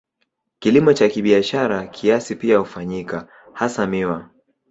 Kilimo cha kibiashara kiasi pia hufanyika, hasa miwa.